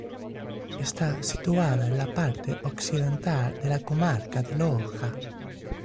Está situada en la parte occidental de la comarca de Loja.